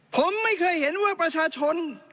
ผมไม่เคยเห็นว่าประชาชน